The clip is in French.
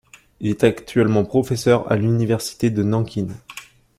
Il est actuellement professeur à l'université de Nankin.